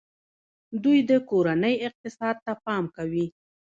دوی د کورنۍ اقتصاد ته پام کوي.